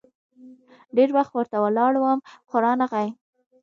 ډېر وخت ورته ولاړ وم ، خو رانه غی.